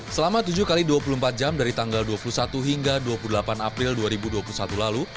selama tujuh x dua puluh empat jam dari tanggal dua puluh satu hingga dua puluh delapan april dua ribu dua puluh satu lalu